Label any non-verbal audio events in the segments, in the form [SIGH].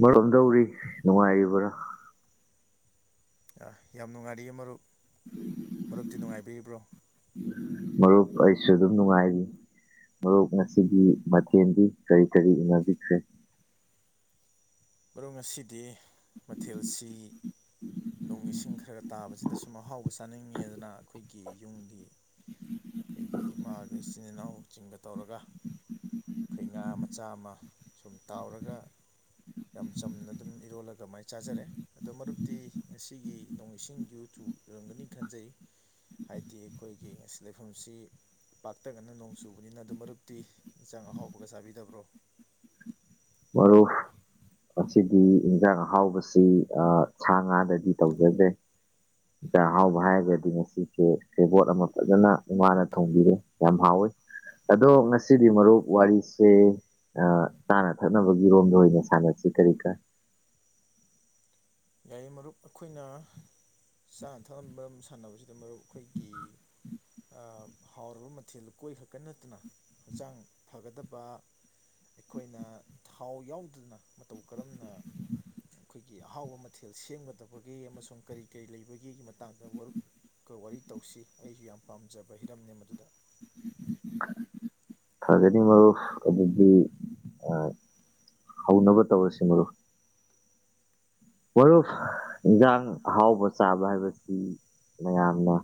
ꯃꯔꯣꯝꯗꯧꯔꯤ ꯅꯨꯡꯉꯥꯏꯔꯤꯕ꯭ꯔꯥ ꯑ ꯌꯥꯝ ꯅꯨꯡꯉꯥꯏꯔꯤꯌꯦ ꯃꯔꯨꯞ ꯃꯔꯨꯞꯇꯤ ꯅꯨꯡꯉꯥꯏꯕꯤꯔꯤꯕ꯭ꯔꯣ ꯃꯔꯨꯞ ꯑꯩꯁꯨ ꯑꯗꯨꯝ ꯅꯨꯡꯉꯥꯏꯔꯤ ꯃꯔꯨꯞ ꯉꯁꯤꯒꯤ ꯃꯊꯦꯟꯗꯤ ꯀꯔꯤ ꯀꯔꯤ ꯎꯅꯕꯤꯈ꯭ꯔꯦ ꯃꯔꯨꯞ ꯉꯁꯤꯗꯤ ꯃꯊꯦꯜꯁꯤ ꯅꯣꯡ ꯏꯁꯤꯡ ꯈꯔꯒ ꯇꯥꯕꯁꯤꯗ ꯁꯨꯝ ꯃꯍꯥꯎꯕ ꯆꯥꯅꯤꯡꯉꯦꯗꯅ ꯑꯩꯈꯣꯏꯒꯤ ꯌꯨꯝꯒꯤ ꯑꯩꯈꯣꯏꯒꯤ ꯏꯃꯥꯒ ꯏꯆꯤꯟ ꯏꯅꯥꯎꯆꯤꯡꯒ ꯇꯧꯔꯒ ꯈ‌ꯣꯏ ꯉꯥ ꯃꯆꯥ ꯑꯃ ꯁꯨꯝ ꯇꯥꯎꯔꯒ ꯌꯥꯝ ꯆꯝꯅ ꯑꯗꯨꯝ ꯏꯔꯣꯜꯂꯒ ꯃꯥꯏ ꯆꯥꯖꯔꯦ ꯑꯗꯣ ꯃꯔꯨꯞꯇꯤ ꯉꯁꯤꯒꯤ ꯅꯣꯡ ꯏꯁꯤꯡ ꯌꯨꯊꯨꯞ ꯌꯨꯔꯝꯒꯅꯤ ꯈꯟꯖꯩ ꯍꯥꯏꯗꯤ ꯑꯩꯈꯣꯏꯒꯤ ꯉꯁꯤ ꯂꯩꯐꯝꯁꯤ ꯄꯥꯛꯇꯅꯅ ꯅꯣꯡ ꯆꯨꯕꯅꯤꯅ ꯑꯗꯨ ꯃꯔꯨꯞꯇꯤ ꯏꯟꯁꯥꯡ ꯑꯍꯥꯎꯕꯒ ꯆꯥꯕꯤꯗꯕ꯭ꯔꯣ ꯃꯔꯨꯞ ꯉꯁꯤꯗꯤ ꯏꯟꯖꯥꯡ ꯑꯍꯥꯎꯕꯁ ꯁꯤ ꯑꯥ ꯁꯥ ꯉꯥꯗꯗꯤ ꯇꯧꯖꯗ꯭ꯔꯦ ꯏꯟꯁꯥꯡ ꯑꯍꯥꯎꯕ ꯍꯥꯏꯔꯒꯗꯤ ꯉꯁꯤꯁꯦ ꯁꯦꯕꯣꯠ ꯑꯃ ꯐꯖꯅ ꯏꯃꯥꯅ ꯊꯣꯡꯕꯤꯔꯦ ꯌꯥꯝ ꯍꯥꯎꯋꯤ ꯑꯗꯣ ꯉꯁꯤꯗꯤ ꯃꯔꯨꯞ ꯋꯥꯔꯤꯁꯦ ꯑ ꯇꯥꯟꯅ ꯊꯛꯅꯕꯒꯤꯔꯣꯝꯗ ꯑꯣꯏꯅ ꯁꯥꯟꯅꯁꯤ ꯀꯔꯤ ꯀꯥꯏ ꯌꯥꯏꯌ‌ꯦ ꯃꯔꯨꯞ ꯑꯩꯈꯣꯏꯅ ꯆꯥꯅ ꯊꯛꯅꯕ ꯃꯔꯝ ꯁꯥꯟꯅꯕꯁꯤꯗ ꯃꯔꯨꯞ ꯑꯩꯈꯣꯏꯒꯤ ꯑꯥ ꯍꯥꯎꯔꯕ ꯃꯊꯦꯜ ꯂꯨꯀꯣꯏꯈꯛꯇ ꯅꯠꯇꯅ ꯍꯛꯆꯥꯡ ꯐꯒꯗꯕ ꯑꯩꯈꯣꯏꯅ ꯊꯥꯎ ꯌꯥꯎꯗꯅ ꯃꯇꯧ ꯀꯔꯝꯅ ꯑꯩꯈꯣꯏꯒꯤ ꯑꯍꯥꯎꯕ ꯃ ꯊꯦꯜ ꯁꯦꯝꯒꯗꯕꯒꯦ ꯑꯃꯁꯨꯡ ꯀꯔꯤ ꯀꯔꯤ ꯂꯩꯕꯒꯦꯒꯤ ꯃꯇꯥꯡꯗ ꯋꯥꯔꯨꯞ ꯀ ꯋꯥꯔꯤ ꯇꯧꯁꯤ ꯑꯩꯖꯨ ꯌꯥꯝ ꯄꯥꯝꯖꯕ ꯍꯤꯔꯝꯅꯦ ꯃꯗꯨꯗ ꯐꯒꯅꯤ ꯃꯔꯨꯞ ꯑꯗꯨꯗꯤ ꯑꯥ, ꯍꯧꯅꯕ ꯇꯧꯔꯁꯤ ꯃꯔꯨꯞ ꯃꯔꯨꯞ ꯏꯟꯖꯥꯡ ꯑꯍꯥꯎꯕ ꯆꯥꯕ ꯍꯥꯏꯕꯁꯤ ꯃꯌꯥꯝꯅ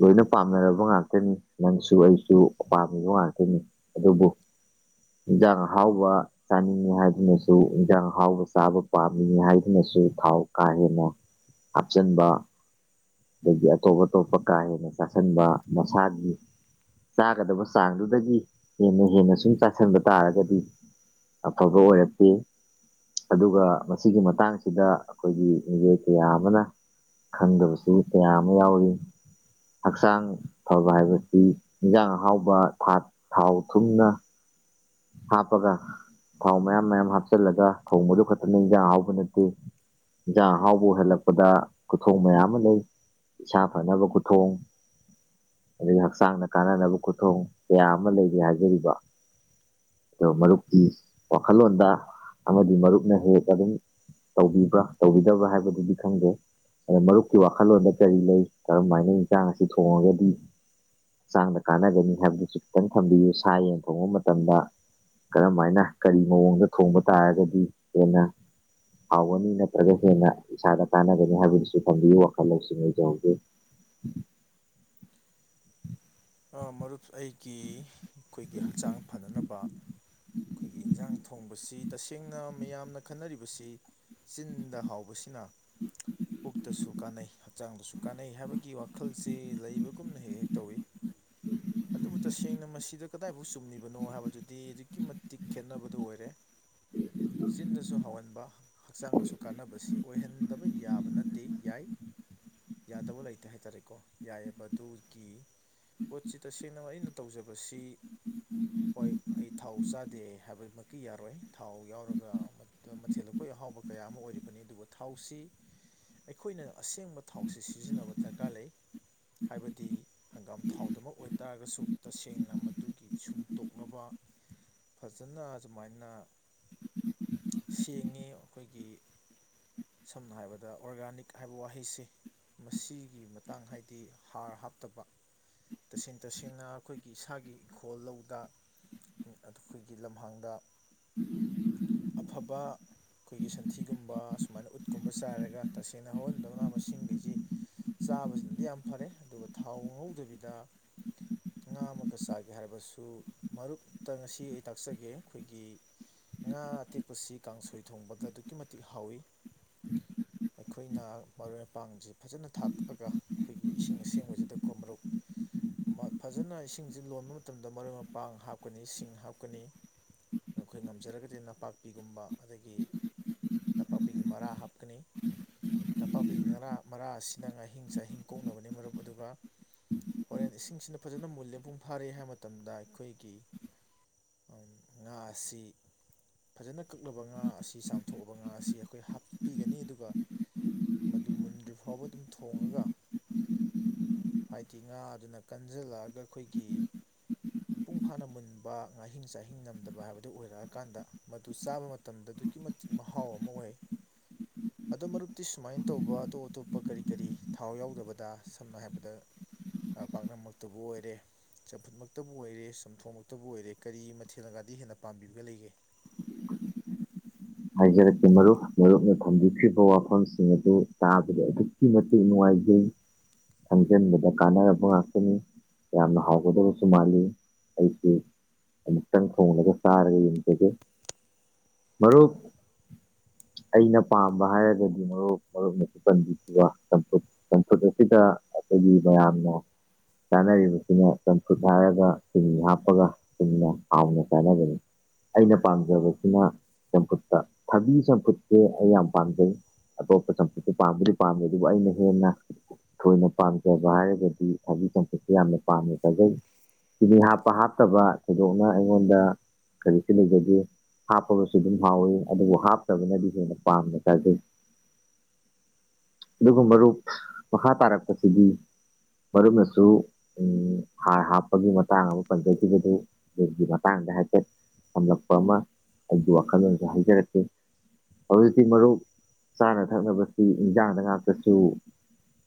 ꯂꯣꯏꯅ ꯄꯥꯝꯅꯔꯕ ꯉꯥꯛꯇꯅꯤ ꯅꯪꯁꯨ ꯑꯩꯁꯨ ꯄꯥꯥꯝꯃꯤꯕ ꯉꯥꯛꯇꯅꯤ ꯑꯗꯨꯕꯨ ꯏꯟꯖꯥꯡ ꯑꯍꯥꯎꯕ ꯆꯥꯅꯤꯡꯉꯤ ꯍꯥꯏꯗꯨꯅꯁꯨ ꯏꯟꯖꯥꯡ ꯑꯍꯥꯎꯕ ꯆꯥꯕ ꯄꯥꯝꯃꯤ ꯍꯥꯏ ꯑꯗꯨꯅꯁꯨ ꯊꯥꯎ ꯀꯥ ꯍꯦꯟꯅ ꯍꯥꯞꯆꯤꯟꯕ ꯑꯗꯒꯤ ꯑꯇꯣꯞ ꯑꯇꯣꯞꯄ ꯀꯥ ꯍꯦꯟꯅ ꯆꯥꯁꯤꯟꯕ ꯃꯁꯥꯒꯤ ꯆꯥꯒꯗꯕ ꯆꯥꯡꯗꯨꯗꯒꯤ ꯍꯦꯟꯅ ꯍꯦꯟꯅ ꯁꯨꯝ ꯆꯥꯁꯤꯟꯕ ꯇꯥꯔꯒꯗꯤ ꯑꯐꯕ ꯑꯣꯏꯔꯛꯇꯦ ꯑꯗꯨꯒ ꯃꯁꯤꯒꯤ ꯃꯇꯥꯡ ꯁꯤꯗ ꯑꯩꯈꯣꯏꯒꯤ ꯃꯤꯑꯣꯏ ꯀꯌꯥ ꯑꯃꯅ ꯈꯪꯗꯕꯁꯤ ꯀꯌꯥ ꯑꯃ ꯌꯥꯎꯔꯤ ꯍꯛꯆꯥꯡ ꯐꯕ ꯍꯥꯏꯕꯁꯤ ꯏꯟꯖꯥꯡ ꯑꯍꯥꯎꯕ ꯊꯥ ꯊꯥꯎ ꯊꯨꯝꯅ ꯍꯥꯞꯄꯒ ꯊꯥꯎ ꯃꯌꯥꯝ ꯃꯌꯥꯝ ꯍꯥꯞꯆꯤꯜꯂꯒ ꯊꯣꯡꯕꯗꯨ ꯈꯛꯇꯅ ꯏꯟꯖꯥꯡ ꯑꯍꯥꯎꯕ ꯅꯠꯇꯦ ꯏꯟꯖꯥꯡ ꯑꯍꯥꯎꯕ ꯑꯣꯏꯍꯜꯂꯛꯄꯗ ꯈꯨꯊꯣꯡ ꯃꯌꯥꯝ ꯃ ꯂꯩ ꯏꯁꯥ ꯐꯅꯕ ꯈꯨꯊꯣꯡ ꯑꯗꯩ ꯍꯛꯆꯥꯡꯅ ꯀꯥꯟꯅꯅꯕ ꯈꯨꯊꯣꯡ ꯀꯌꯥ ꯑꯃ ꯂꯩꯔꯤ ꯍꯥꯏꯖꯔꯤꯕ ꯗ‌ꯣ ꯃꯔꯨꯞꯀꯤ ꯋꯥꯈꯜꯂꯣꯟꯗ ꯑꯃꯗꯤ ꯃꯔꯨꯞꯅ ꯍꯦꯛ ꯑꯗꯨꯝ ꯇꯧꯕꯤꯕ꯭ꯔꯥ ꯇꯧꯕꯤꯗꯕ꯭ꯔꯥ ꯍꯥꯏꯕꯗꯨꯗꯤ ꯈꯪꯗꯦ ꯑꯗ ꯃꯔꯨꯞꯀꯤ ꯋꯥꯈꯜꯂꯣꯟꯗ ꯀꯔꯤ ꯂꯩ ꯀꯔꯝꯍꯥꯏꯅ ꯏꯟꯁꯥꯡ ꯑꯁꯤ ꯊꯣꯡꯉꯒꯗꯤ ꯍꯆꯥꯡꯗ ꯀꯥꯟꯅꯒꯅꯤ ꯍꯥꯏꯕꯗꯨꯁꯨ ꯈꯤꯇꯪ ꯊꯝꯕꯤꯌꯨ ꯁꯥ ꯌꯦꯟ ꯊꯣꯡꯕ ꯃꯇꯝꯗ ꯀꯔꯝꯍꯥꯏꯅ ꯀꯔꯤ ꯃꯑꯣꯡꯗ ꯊꯣꯡꯕ ꯇꯥꯔꯒꯗꯤ ꯍꯦꯟꯅ ꯍꯥꯎꯒꯅꯤ ꯅꯠꯇ꯭ꯔꯒ ꯍꯦꯟꯅ ꯏꯁꯥꯗ ꯀꯥꯟꯅꯒꯅꯤ ꯍꯥꯏꯕꯗꯨꯁꯨ ꯊꯝꯕꯤꯌꯨ ꯋꯥꯈꯜ ꯂꯧꯁꯤꯡ ꯂꯩꯖꯍꯧꯒꯦ ꯑꯥ ꯃꯔꯨꯞ ꯑꯩꯒꯤ ꯑꯩꯈꯣꯏꯒꯤ ꯍꯛꯆꯥꯡ ꯐꯅꯅꯕ ꯑꯩꯈꯣꯏꯒꯤ ꯏꯟꯖꯥꯡ ꯊꯣꯡꯕꯁꯤ ꯇꯁꯦꯡꯅ ꯃꯌꯥꯝꯅ ꯈꯟꯅꯔꯤꯕꯁꯤ ꯆꯤꯟꯗ ꯍꯥꯎꯕꯁꯤꯅ ꯄꯨꯛꯇꯁꯨ ꯀꯥꯟꯅꯩ ꯍꯛꯆꯥꯡꯗꯁꯨ ꯀꯥꯟꯅꯩ ꯍꯥꯏꯕꯒꯤ ꯋꯥꯈꯜꯁꯤ ꯂꯩꯕꯒꯨꯝꯅ ꯍꯦꯛ ꯍꯦꯛ ꯇꯧꯋꯤ ꯑꯗꯨꯕꯨ ꯇꯁꯦꯡꯅ ꯃꯁꯤꯗ ꯀꯗꯥꯏꯕꯛ ꯆꯨꯝꯂꯤꯕꯅ‌ꯣ ꯍꯥꯏꯕꯗꯨꯗꯤ ꯑꯗꯨꯛꯀꯤ ꯃꯇꯤꯛ ꯈꯦꯠꯅꯕꯗꯨ ꯑꯣꯏꯔꯦ [UNINTELLIGIBLE] ꯆꯤꯟꯗꯁꯨ ꯍꯥꯎꯍꯟꯕ ꯍꯛꯆꯥꯡꯗꯁꯨ ꯀꯥꯟꯅꯕꯁꯤ ꯑꯣꯏꯍꯟꯗꯕ ꯌꯥꯕ ꯅꯠꯇꯦ ꯌꯥꯏ ꯌꯥꯗꯕ ꯂꯩꯇꯦ ꯍꯥꯏꯇꯥꯔꯦꯀꯣ ꯌꯥꯏꯑ‌ꯦꯕ ꯑꯗꯨꯒꯤ ꯄꯣꯠꯁꯤ ꯇꯁꯦꯡꯅꯃ ꯑꯩꯅ ꯇꯧꯖꯕꯁꯤ ꯍꯣꯏ ꯑꯩ ꯊꯥꯎ ꯆꯥꯗꯦ ꯍꯥꯏꯕꯗꯨꯃꯀꯤ ꯌꯥꯔꯣꯏ ꯊꯥꯎ ꯌꯥꯎꯔꯒ ꯑꯗꯨꯒ ꯃꯊꯦꯜ ꯂꯨꯀꯣꯏ ꯑꯍꯥꯎꯕ ꯀꯌꯥ ꯑꯃ ꯑꯣꯏꯔꯤꯕꯅꯤ ꯑꯗꯨꯕꯨ ꯊꯥꯎꯁꯤ ꯑꯩꯈꯣꯏꯅ ꯑꯁꯦꯡꯕ ꯊꯥꯎꯁꯤ ꯁꯤꯖꯤꯟꯅꯕ ꯗꯔꯀꯥꯔ ꯂꯩ ꯍꯥꯏꯕꯗꯤ ꯍꯪꯒꯥꯝ ꯊꯥꯎꯗꯃꯛ ꯑꯣꯏꯇꯥꯔꯒꯁꯨ ꯇꯁꯦꯡꯅ ꯃꯗꯨꯒꯤ ꯁꯨꯡꯇꯣꯛꯂꯕ ꯐꯖꯅ ꯑꯗꯨꯃꯥꯏꯅ ꯁꯦꯡꯉꯤ ꯑꯈꯣꯏꯒꯤ ꯁꯝꯅ ꯍꯥꯏꯔꯕꯗ ꯑꯣꯔꯒꯥꯅꯤꯛ ꯍꯥꯏꯕ ꯋꯥꯍꯩꯁꯤ ꯃꯁꯤꯒꯤ ꯃꯇꯥꯡ ꯍꯥꯏꯗꯤ ꯍꯥꯔ ꯍꯥꯞꯇꯕ ꯇꯁꯦꯡ ꯇꯁꯦꯡꯅ ꯑꯩꯈꯣꯏꯒꯤ ꯏꯁꯥꯒꯤ ꯏꯪꯈꯣꯜ ꯂꯧꯗ [UNINTELLIGIBLE] ꯑꯩꯈꯣꯏꯒꯤ ꯂꯝꯍꯥꯡꯗ ꯑꯐꯕ ꯑꯩꯈꯣꯏꯒꯤ ꯁꯟꯊꯤꯒꯨꯝꯕ ꯁꯨꯃꯥꯏꯅ ꯎꯠꯀꯨꯝꯕ ꯆꯥꯏꯔꯒ ꯇꯁꯦꯡꯅ ꯍꯧꯍꯟꯗꯕꯅ ꯃꯁꯤꯡꯒꯩꯁꯤ ꯆꯥꯕꯁꯤꯅꯗꯤ ꯌꯥꯝ ꯐꯔꯦ ꯑꯗꯨꯒ ꯊꯥꯎ ꯉꯍꯧꯗꯕꯤꯗ ꯉꯥ ꯑꯃꯒ ꯆꯥꯒꯦ ꯍꯥꯏꯕꯁꯨ ꯃꯔꯨꯞꯇ ꯉꯁꯤ ꯑꯩ ꯇꯥꯛꯆꯒꯦ ꯑꯩꯈꯣꯏꯒꯤ ꯉꯥ ꯑꯇꯦꯛꯄꯁꯤ ꯀꯥꯡꯁꯣꯏ ꯊꯣꯡꯕꯗ ꯑꯗꯨꯛꯀꯤ ꯃꯇꯤꯛ ꯍꯥꯎꯋꯤ ꯑꯩꯈꯣꯏꯅ ꯃꯔꯣꯏ ꯃꯄꯥꯡꯁꯤ ꯐꯖꯅ ꯊꯥꯛꯑꯒ ꯑꯩꯈꯣꯏꯒꯤ ꯏꯁꯤꯡ ꯑꯁꯦꯡꯕꯁꯤꯗ ꯀꯣ ꯃꯔꯨꯞ ꯑꯃꯥꯛ ꯐꯖꯅ ꯏꯁꯤꯡꯁꯤ ꯂꯣꯟꯕ ꯃꯇꯝꯗ ꯃꯔꯣꯏ ꯃꯄꯥꯡ ꯍꯥꯞꯀꯅꯤ ꯁꯤꯡ ꯍꯥꯞꯀꯅꯤ ꯑꯩꯈꯣꯏ ꯉꯝꯖꯔꯒꯗꯤ ꯅꯄꯥꯛꯄꯤꯒꯨꯝꯕ ꯑꯗꯒꯤ ꯅꯄꯥꯛꯄꯤꯒꯤ ꯃꯔꯥ ꯍꯥꯞꯀꯅꯤ ꯅꯄꯥꯛꯄꯤ ꯉꯔꯥ ꯃꯔꯥ ꯑꯁꯤꯅ ꯉꯥꯍꯤꯡ ꯆꯍꯤꯡ ꯀꯣꯛꯅꯕꯅꯤ ꯃꯔꯨꯞ ꯑꯗꯨꯒ ꯍꯣꯔꯦꯟ ꯏꯁꯤꯡꯁꯤꯅ ꯐꯖꯅ ꯃꯨꯂꯦ ꯃꯄꯨꯡ ꯐꯥꯔꯦ ꯍꯥꯏꯕ ꯃꯇꯝꯗ ꯑꯩꯈꯣꯏꯒꯤ ꯎꯝ ꯉꯥ ꯑꯁꯤ ꯐꯖꯅ ꯀꯛꯂꯕ ꯉꯥ ꯑꯁꯤ ꯆꯥꯝꯊꯣꯛꯑꯕ ꯉꯥ ꯑꯁꯤ ꯑꯩꯈꯣꯏ ꯍꯥꯞꯄꯤꯒꯅꯤ ꯑꯗꯨꯒ ꯃꯗꯨ ꯃꯨꯟꯗ꯭ꯔꯤ ꯐꯥꯎꯕ ꯑꯗꯨꯝ ꯊꯣꯡꯉꯒ ꯇꯤ ꯉꯥ ꯑꯗꯨꯅ ꯀꯟꯖꯤꯜꯂꯛꯑꯒ ꯑꯩꯈꯣꯏꯒꯤ ꯃꯄꯨꯡ ꯐꯥꯅ ꯃꯨꯟꯕ ꯉꯥꯍꯤꯡ ꯆꯥꯍꯤꯡ ꯉꯝꯗꯕ ꯍꯥꯏꯕꯗꯨ ꯑꯣꯏꯔꯑꯀꯥꯟꯗ ꯃꯗꯨ ꯆꯥꯕ ꯃꯇꯝꯗ ꯑꯗꯨꯛꯀꯤ ꯃꯇꯤꯛ ꯃꯍꯥꯎ ꯑꯃ ꯑꯣꯏ [INAUDIBLE] ꯑꯗꯣ ꯃꯔꯛꯇꯤ ꯁꯨꯃꯥꯏꯅ ꯇꯧꯕ ꯑꯇꯣꯞ ꯑꯇꯣꯞꯄ ꯀꯔꯤ ꯀꯔꯤ ꯊꯥꯎ ꯌꯥꯎꯗꯕꯗ ꯁꯝꯅ ꯍꯥꯏꯕꯗ ꯑꯥ ꯄꯥꯛꯅꯝꯃꯛꯇꯕꯨ ꯑꯣꯏꯔꯦ ꯆꯝꯐꯨꯠꯃꯛꯇꯕꯨ ꯑꯣꯏꯔꯦ ꯆꯝꯊꯣꯡꯃꯛꯇꯕꯨ ꯑꯣꯏꯔꯦ ꯀꯔꯤ ꯃꯊꯦꯜꯒꯗꯤ ꯍꯦꯟꯅ ꯄꯥꯝꯕꯤꯕꯒ ꯂꯩꯒꯦ ꯍꯥꯏꯖꯔꯛꯀꯦ ꯃꯔꯨꯞ ꯃꯔꯨꯞꯅ ꯊꯝꯕꯤꯈ꯭ꯔꯤꯕ ꯋꯥꯐꯝ ꯁꯤꯡ ꯑꯗꯨ ꯇꯥꯕꯗ ꯑꯗꯨꯛꯀꯤ ꯃꯇꯤꯛ ꯅꯨꯡꯉꯥꯏꯖꯩ ꯈꯪꯖꯤꯟꯕꯗ ꯀꯥꯟꯅꯔꯕ ꯉꯥꯛꯇꯅꯤ ꯌꯥꯝꯅ ꯍꯥꯎꯒꯗꯕꯁꯨ ꯃꯥꯜꯂꯤ ꯑꯩꯁꯤ ꯑꯃꯨꯛꯇꯪ ꯊꯣꯡꯂꯒ ꯆꯥꯔꯒ ꯌꯦꯡꯖꯒꯦ ꯃꯔꯨꯞ ꯑꯩꯅ ꯄꯥꯝꯕ ꯍꯥꯏꯔꯒꯗꯤ ꯃꯔꯨꯞ ꯃꯔꯨꯞꯅ [UNINTELLIGIBLE] ꯆꯥꯝꯐꯨꯠ ꯆꯥꯝꯐꯨꯠ ꯑꯁꯤꯗ ꯑꯩꯈꯣꯏꯒꯤ ꯃꯌꯥꯝꯅ ꯆꯥꯅꯔꯤꯕꯁꯤꯅ ꯆꯝꯐꯨꯠ ꯍꯥꯏꯔꯒ ꯁꯤꯅꯤ ꯍꯥꯞꯄꯒ ꯆꯨꯝꯅ ꯍꯥꯎꯅ ꯆꯥꯅꯕꯅꯤ ꯑꯩꯅ ꯄꯥꯝꯖꯕꯁꯤꯅ ꯆꯝꯐꯨꯠ ꯇꯥ ꯊꯕꯤ ꯆꯐꯨꯠꯀꯦ ꯑꯩ ꯌꯥꯝ ꯄꯥꯝꯖꯩ ꯑꯇꯣꯞꯄ ꯆꯝꯐꯨꯠꯇꯨ ꯄꯥꯝꯕꯨꯗꯤ ꯄꯥꯝꯃꯦ ꯑꯗꯨꯕꯨ ꯑꯩꯅ ꯍꯦꯟꯅ ꯊꯣꯏꯅ ꯄꯥꯝꯖꯕ ꯍꯥꯏꯔꯒꯗꯤ ꯊꯥꯕꯤ ꯆꯝꯄꯠꯁꯤ ꯌꯥꯝꯅ ꯄꯥꯝꯃꯦ ꯆꯥꯖꯩ ꯆꯤꯅꯤ ꯍꯥꯞꯄ ꯍꯥꯞꯇꯕ ꯊꯣꯏꯗꯣꯛꯅ ꯑꯩꯉꯣꯟꯗ ꯀꯔꯤꯁꯨ ꯂꯩꯖꯗꯦ ꯍꯥꯞꯄ ꯒꯥꯁꯨ ꯑꯗꯨꯝ ꯍꯥꯎꯋꯤ ꯑꯗꯨꯕꯨ ꯍꯥꯞꯇꯕꯅꯗꯤ ꯍꯦꯟꯅ ꯄꯥꯝꯅ ꯆꯥꯖꯩ ꯑꯗꯨꯒ ꯃꯔꯨꯞ ꯃꯈꯥ ꯇꯥꯔꯛꯄꯁꯤꯗꯤ ꯃꯔꯨꯞꯅꯁꯨ ꯎꯝ ꯍꯥꯔ ꯍꯥꯞꯄꯒꯤ ꯃꯇꯥꯡ ꯑꯃ ꯄꯟꯖꯈꯤꯕꯗꯨ ꯑꯗꯨꯒꯤ ꯃꯇꯥꯡꯗ ꯍꯥꯏꯐꯦꯠ ꯇꯝꯂꯛꯄ ꯑꯃ ꯑꯩꯒꯤ ꯋꯥꯈꯜꯂꯣꯟꯁꯦ ꯍꯥꯏꯖꯔꯛ ꯍꯧꯖꯤꯛꯇꯤ ꯃꯔꯨꯞ ꯆꯥꯅ ꯊꯛꯅꯕꯁꯤ ꯏꯟꯖꯥꯡꯗ ꯉꯥꯛꯇꯁꯨ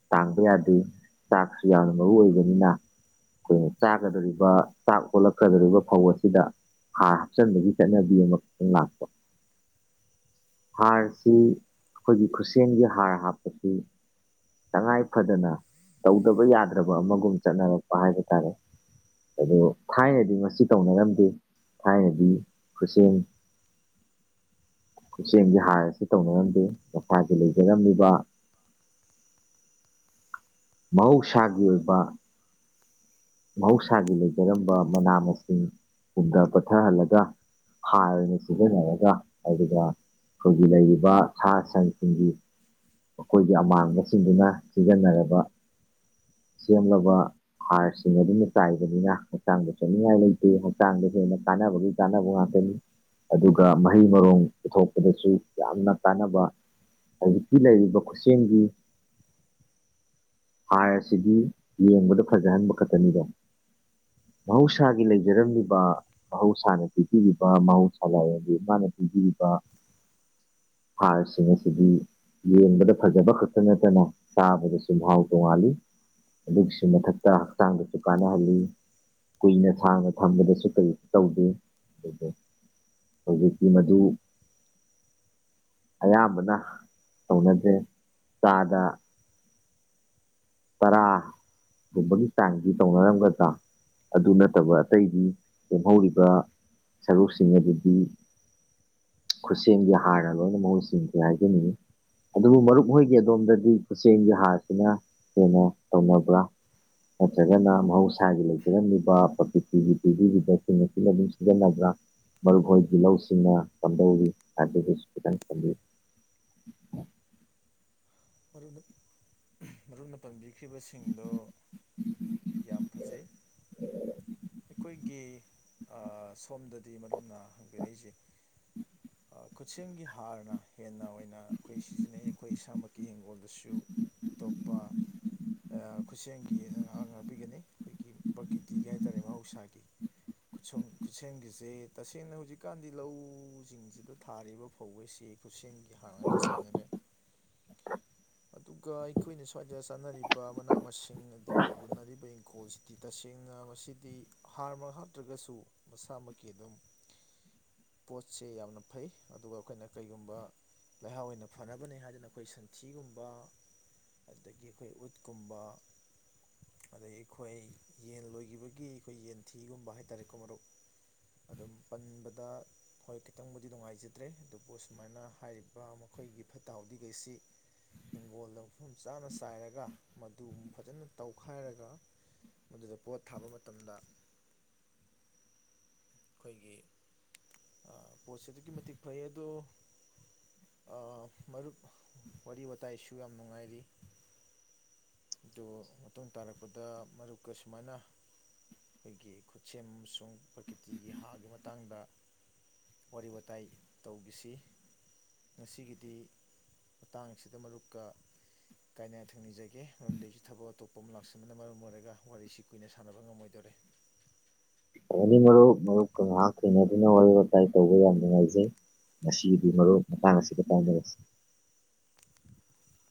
ꯇꯥꯡꯕ ꯌꯥꯗꯦ ꯆꯥꯛꯁꯨ ꯌꯥꯝꯅ ꯃꯔꯨ ꯑꯣꯏꯕꯅꯤꯅ ꯑꯩꯈꯣꯏꯅ ꯆꯥꯒꯗꯧꯔꯤꯕ ꯆꯥꯛ ꯑꯣꯜꯂꯛꯀꯗꯧꯔꯤꯕ ꯐꯧ ꯑꯁꯤꯗ ꯍꯥꯔ ꯍꯥꯞꯆꯤꯟꯕꯒꯤ ꯆꯠꯅꯕꯤ ꯑꯃꯈꯛꯇꯪ ꯂꯥꯛꯄ ꯍꯥꯔꯁꯤ ꯑꯩꯈꯣꯏꯒꯤ ꯈꯨꯠꯁꯦꯝꯒꯤ ꯍꯥꯔ ꯍꯥꯞꯄꯁꯤ ꯇꯉꯥꯏ ꯐꯗꯅ ꯇꯧꯗꯕ ꯌꯥꯗ꯭ꯔꯕ ꯑꯃꯒꯨꯝ ꯆꯠꯅꯔꯛꯄ ꯍꯥꯏꯕ ꯇꯥꯔꯦ ꯑꯗꯣ ꯊꯥꯏꯅꯗꯤ ꯃꯁꯤ ꯇꯧꯅꯔꯝꯗꯦ ꯊꯥꯏꯅꯗꯤ ꯈꯨꯠꯁꯦꯝ ꯈꯨꯠꯁꯦꯝꯒꯤ ꯍꯥꯔ ꯑꯁꯤ ꯇꯧꯅꯔꯝꯗꯦ ꯃꯁꯥꯒꯤ ꯂꯩꯖꯔꯝꯃꯤꯕ ꯃꯍꯧꯁꯥꯒꯤ ꯑꯣꯏꯕ ꯃꯍꯧꯁꯥꯒꯤ ꯂꯩꯖꯔꯝꯕ ꯃꯅꯥ ꯃꯁꯤꯡ ꯄꯨꯝꯗ ꯄꯠꯊꯍꯜꯂꯒ ꯍꯥꯔ ꯑꯣꯏꯅ ꯁꯤꯖꯤꯟꯅꯔꯒ ꯑꯗꯨꯒ ꯑꯩꯈꯣꯏꯒꯤ ꯂꯩꯔꯤꯕ ꯁꯥ ꯁꯟꯁꯤꯡꯒꯤ ꯃꯈꯣꯏꯒꯤ ꯑꯃꯥꯡꯕꯁꯤꯡꯗꯨꯅ ꯁꯤꯖꯤꯟꯅꯔꯕ ꯁꯦꯝꯂꯕ ꯍꯥꯔ ꯁꯤꯡ ꯑꯗꯨꯅ ꯆꯥꯏꯕꯅꯤꯅ ꯍꯛꯆꯥꯡꯗ ꯁꯣꯛꯅꯤꯡꯉꯥꯏ ꯂꯩꯇꯦ ꯍꯛꯆꯥꯡꯗ ꯍꯦꯟꯅ ꯀꯥꯟꯅꯕꯒꯤ ꯀꯥꯟꯅꯕ ꯉꯥꯛꯇꯅꯤ ꯑꯗꯨꯒ ꯃꯍꯩ ꯃꯔꯣꯡ ꯄꯨꯊꯣꯛꯄꯗꯁꯨ ꯌꯥꯝꯅ ꯀꯥꯟꯅꯕ ꯍꯧꯖꯤꯛꯀꯤ ꯂꯩꯔꯤꯕ ꯈꯨꯠꯁꯦꯝꯒꯤ ꯍꯥꯔ ꯑꯁꯤꯗꯤ ꯌꯦꯡꯕꯗ ꯐꯖꯍꯟꯕ ꯈꯛꯇꯅꯤꯗꯣ ꯃꯍꯧꯁꯥꯒꯤ ꯂꯩꯖꯔꯝꯂꯤꯕ ꯃꯍꯧꯁꯥꯅ ꯄꯤꯕꯤꯔꯤꯕ ꯃꯍꯧꯁꯥ ꯂꯥꯏꯔꯦꯝꯕꯤ ꯏꯃꯥꯅ ꯄꯤꯕꯤꯔꯤꯕ ꯍꯥꯔꯁꯤꯡ ꯑꯁꯤꯗꯤ ꯌꯦꯡꯕꯗ ꯐꯖꯕ ꯈꯛꯇ ꯅꯠꯇꯅ ꯆꯥꯕꯗꯁꯨ ꯃꯍꯥꯎ ꯇꯣꯡꯉꯥꯜꯂꯤ ꯑꯗꯨꯒꯤꯁꯨ ꯃꯊꯛꯇ ꯍꯛꯆꯥꯡꯗꯁꯨ ꯀꯥꯟꯅꯍꯜꯂꯤ ꯀꯨꯏꯅ ꯁꯥꯡꯅ ꯊꯝꯕꯗꯁꯨ ꯀꯔꯤꯁꯨ ꯇꯧꯗꯦ ꯑꯗꯨꯒ ꯍꯧꯖꯤꯛꯇꯤ ꯃꯗꯨ ꯑꯌꯥꯝꯕꯅ ꯇꯧꯅꯗ꯭ꯔꯦ ꯆꯥꯗ ꯇꯔꯥꯒꯨꯝꯕꯒꯤ ꯆꯥꯡꯗꯤ ꯇꯧꯅꯔꯝꯒꯗ꯭ꯔꯥ ꯑꯗꯨ ꯅꯠꯇꯕ ꯑꯇꯩꯗꯤ ꯂꯦꯝꯍꯧꯔꯤꯕ ꯁꯔꯨꯛꯁꯤꯡ ꯑꯗꯨꯗꯤ ꯈꯨꯠꯁꯦꯝꯒꯤ ꯍꯥꯥꯔꯅ ꯂꯣꯏꯅ ꯃꯍꯨꯠ ꯁꯤꯟꯈ꯭ꯔꯦ ꯍꯥꯏꯖꯅꯤꯡꯏ ꯑꯗꯨꯕꯨ ꯃꯔꯨꯞ ꯍꯣꯏꯒꯤ ꯑꯗꯣꯝꯗꯗꯤ ꯈꯨꯁꯦꯝꯒꯤ ꯍꯥꯔꯁꯤꯅ ꯍꯦꯟꯅ ꯇꯧꯅꯕ꯭ꯔꯥ ꯅꯠꯇ꯭ꯔꯒꯅ ꯃꯍꯧꯁꯥꯒꯤ ꯂꯩꯖꯔꯝꯃꯤꯕ ꯄ꯭ꯔꯀꯤꯇꯤꯒꯤ ꯄꯤꯕꯤꯔꯤꯕꯁꯤꯡ ꯑꯁꯤꯅ ꯑꯗꯨꯝ ꯁꯤꯖꯤꯟꯅꯕ꯭ꯔꯥ ꯃꯔꯨꯞꯍꯣꯏꯒꯤ ꯂꯧꯁꯤꯡꯅ ꯀꯝꯗꯧꯋꯤ ꯑꯗꯨꯒꯤꯁꯨ ꯈꯤꯇꯪ ꯊꯝꯕꯤꯌꯨ ꯃꯔꯨꯨꯞꯅ ꯃꯔꯨꯨꯞꯅ ꯄꯟꯕꯤꯈ꯭ꯔꯤꯕꯁꯤꯡꯗꯨ ꯌꯥꯝ ꯐꯖꯩ ꯑꯩꯈꯣꯏꯒꯤ ꯑꯥ ꯁꯣꯝꯗꯗꯤ ꯃꯔꯨꯞꯅ ꯍꯪꯕꯤꯔꯛꯏꯁꯦ ꯑ ꯈꯨꯠꯁꯦꯝꯒꯤ ꯍꯥꯔꯅ ꯍꯦꯟꯅ ꯑꯣꯏꯅ ꯑꯩꯈꯣꯏ ꯁꯤꯖꯤꯟꯅꯩ ꯑꯩꯈꯣꯏ ꯏꯁꯥꯃꯛꯀꯤ ꯍꯤꯡꯒꯣꯜꯗꯁꯨ ꯁꯨ ꯇꯣꯞꯄ ꯑ ꯈꯨꯠꯁꯦꯝꯒꯤꯅ ꯉꯍ ꯉꯥꯛꯄꯤꯒꯅꯤ ꯑꯩꯈꯣꯏꯒꯤ ꯄ꯭ꯔꯀꯤꯇꯤꯒꯤ ꯍꯥꯏꯇꯥꯔꯦ ꯃꯍꯧꯁꯥꯒꯤ [UNINTELLIGIBLE] ꯈꯨꯠꯁꯦꯝꯒꯤꯁꯦ ꯇꯁꯦꯡꯅ ꯍꯧꯖꯤꯛꯀꯥꯟꯗꯤ ꯂꯧꯁꯤꯡꯁꯤꯗ ꯊꯥꯔꯤꯕ ꯐꯧꯒꯩꯁꯤ ꯈꯨꯠꯁꯦꯝꯒꯤ ꯍꯥꯔ ꯉꯥꯛꯇ ꯆꯥꯏꯅꯔꯦ ꯑꯗꯨꯒ ꯑꯩꯈꯣꯏꯅ ꯁ꯭ꯋꯥꯏꯗ ꯆꯥꯅꯔꯤꯕ ꯃꯅꯥ ꯃꯁꯤꯡ ꯑꯗꯒꯤ ꯎꯅꯔꯤꯕ ꯏꯪꯈꯣꯜꯁꯤ ꯗꯤ ꯇꯁꯦꯡꯅ ꯃꯁꯤꯗꯤ ꯍꯥꯔꯃꯛ ꯍꯥꯥꯞꯇ꯭ꯔꯒꯁꯨ ꯃꯁꯥꯃꯛꯀꯤ ꯑꯗꯨꯝ ꯄꯣꯠꯁꯦ ꯌꯥꯝꯅ ꯐꯩ ꯑꯗꯨꯒ ꯑꯩꯈꯣꯏꯅ ꯀꯩꯒꯨꯝꯕ ꯂꯩꯍꯥꯎ ꯑꯣꯏꯅ ꯐꯅꯕꯅꯦ ꯍꯥꯏꯗꯅ ꯑꯩꯈꯣꯏ ꯁꯟꯊꯤꯒꯨꯝꯕ ꯑꯗꯒꯤ ꯑꯩꯈꯣꯏ ꯎꯠꯀꯨꯝꯕ ꯑꯗꯩ ꯑꯩꯈꯣꯏ ꯌꯦꯟ ꯂꯣꯏꯈꯤꯕꯒꯤ ꯑꯩꯈꯣꯏ ꯌꯦꯟꯊꯤꯒꯨꯝꯕ ꯍꯥꯏꯇꯥꯔꯦꯀꯣ ꯃꯔꯨꯞ ꯑꯗꯨꯝ ꯄꯟꯕꯗ ꯍꯣꯏ ꯈꯤꯇꯪꯕꯨꯗꯤ ꯅꯨꯡꯉꯥꯏꯖꯗ꯭ꯔꯦ ꯑꯗꯨꯕꯨ ꯁꯨꯃꯥꯏꯅ ꯍꯥꯏꯔꯤꯕ ꯃꯈꯣꯏꯒꯤ ꯐꯠꯇ ꯍꯥꯎꯗꯤꯈꯩꯁꯤ ꯍꯤꯡꯒꯣꯜꯗ ꯃꯐꯝ ꯆꯥꯅ ꯆꯥꯏꯔꯒ ꯃꯗꯨꯃꯨꯛ ꯐꯖꯅ ꯇꯧꯈꯥꯏꯔꯒ ꯃꯗꯨꯗ ꯄꯣꯠ ꯊꯥꯕ ꯃꯇꯝꯗ [UNINTELLIGIBLE] ꯈꯣꯏꯒꯤ ꯑꯥ ꯄꯣꯠꯁꯦ ꯑꯗꯨꯛꯀꯤ ꯃꯇꯤꯛ ꯐꯩ ꯑꯗꯣ ꯑ ꯃꯔꯨꯞ ꯋꯥꯔꯤ ꯋꯥꯇꯥꯏꯁꯨ ꯌꯥꯝ ꯅꯨꯡꯉꯥꯏꯔꯤ ꯑꯗꯨ ꯃꯇꯨꯡ ꯇꯥꯔꯛꯄꯗ ꯃꯔꯨꯞꯀ ꯁꯨꯃꯥꯏꯅ ꯑꯩꯈꯣꯏꯒꯤ ꯈꯨꯠꯁꯦꯝ ꯑꯃꯁꯨꯡ ꯄ꯭ꯔꯀꯤꯇꯤꯒꯤ ꯍꯥꯒꯤ ꯃꯇꯥꯡꯗ ꯋꯥꯔꯤ ꯋꯥꯇꯥꯏ ꯇꯧꯒꯤꯁꯤ ꯉꯁꯤꯒꯤꯗꯤ ꯃꯇꯥꯡ ꯁꯤꯗ ꯃꯔꯨꯞꯀ ꯀꯥꯏꯅ ꯌꯥꯊꯪ ꯅꯤꯖꯒꯦ ꯃꯔꯝꯗꯤ ꯑꯩꯁꯨ ꯊꯕꯛ ꯑꯇꯣꯞꯄ ꯑꯃ ꯂꯥꯛꯁꯟꯕꯅ ꯃꯔꯝ ꯑꯣꯏꯔꯒ ꯋꯥꯔꯤꯁꯤ ꯀꯨꯏꯅ ꯁꯥꯟꯅꯕ ꯉꯝꯃꯣꯏꯗꯣꯔꯦ ꯐꯅꯤ ꯃꯔꯨꯞ ꯃꯔꯨꯞꯀ ꯉꯥꯏꯍꯥꯛ ꯊꯦꯡꯅꯗꯨꯅ ꯋꯥꯔꯤ ꯋꯥꯇꯥꯏ ꯇꯧꯕ ꯌꯥꯝ ꯅꯨꯡꯉꯥꯏꯖꯩ ꯉꯁꯤꯒꯤꯗꯤ ꯃꯔꯨꯞ ꯃꯇꯥꯡ ꯑꯁꯤꯗ ꯀꯥꯏꯅꯔꯁꯤ [UNINTELLIGIBLE]